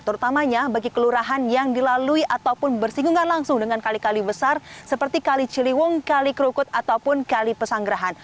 terutamanya bagi kelurahan yang dilalui ataupun bersinggungan langsung dengan kali kali besar seperti kali ciliwung kali kerukut ataupun kali pesanggerahan